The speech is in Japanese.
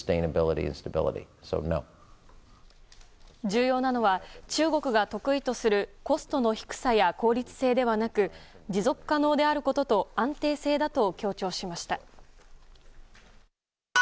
重要なのは中国が得意とするコストの低さや効率性ではなく持続可能であることと安定性だと強調しました。